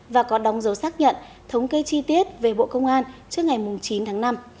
và có đóng dấu xác nhận thống kê chi tiết về bộ công an trước ngày chín tháng năm